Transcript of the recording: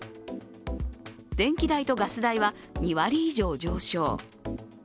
電気代とガス代は２割以上上昇。